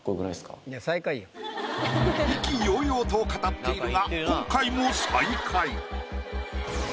意気揚々と語っているが今回も最下位。